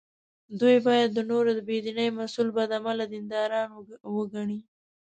دوی باید د نورو د بې دینۍ مسوول بد عمله دینداران وګڼي.